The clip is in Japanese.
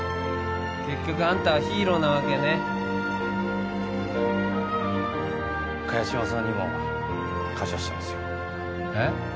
結局あんたはヒーローなわけね萱島さんにも感謝してますよえっ？